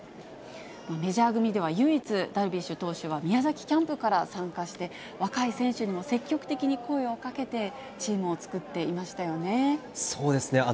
メジャー組では唯一、ダルビッシュ投手は、宮崎キャンプから参加して、若い選手にも積極的に声をかけて、チームを作っていましたそうですね。